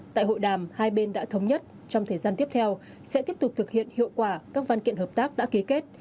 tại hội đàm hai bên đã thống nhất trong thời gian tiếp theo sẽ tiếp tục thực hiện hiệu quả các văn kiện hợp tác đã ký kết